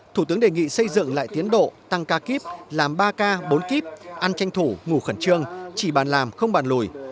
thủ tướng đề nghị xây dựng lại tiến độ tăng ca kíp làm ba k bốn kip ăn tranh thủ ngủ khẩn trương chỉ bàn làm không bàn lùi